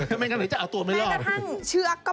ไม่มีการเห็นจะเอาตัวไม่รอบค่ะ